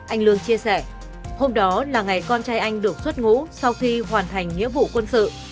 anh lương chia sẻ hôm đó là ngày con trai anh được xuất ngũ sau khi hoàn thành nghĩa vụ quân sự